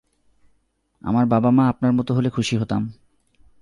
আমার বাবা-মা আপনার মতো হলে খুশি হতাম।